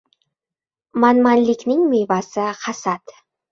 • Manmanlikning mevasi — hasad.